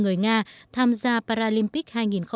người nga tham gia paralympic hai nghìn một mươi tám